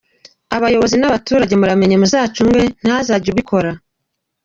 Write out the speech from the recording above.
Abayobozi n’abaturage muramenye muzacunge ntihazagire ubikora.